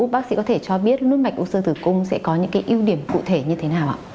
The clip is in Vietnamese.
bác sĩ có thể cho biết nút mạch o sơ tử cung sẽ có những cái ưu điểm cụ thể như thế nào ạ